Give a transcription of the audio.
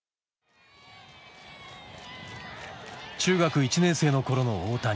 中学１年生の頃の大谷。